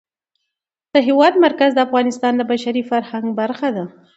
د هېواد مرکز د افغانستان د بشري فرهنګ برخه ده.